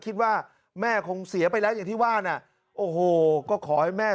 คิดว่าแม่คงเสียไปแล้วอย่างที่ว่าน่ะโอ้โหก็ขอให้แม่